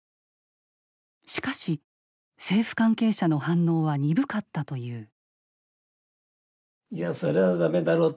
しかし政府関係者の反応は鈍かったという。